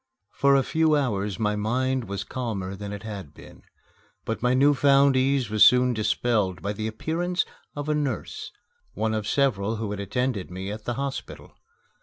For a few hours my mind was calmer than it had been. But my new found ease was soon dispelled by the appearance of a nurse one of several who had attended me at the hospital.